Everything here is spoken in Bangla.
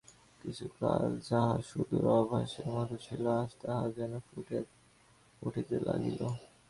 কিছুকাল যাহা সুদূর আভাসের মতো ছিল, আজ তাহা যেন ফুটিয়া উঠিতে লাগিল।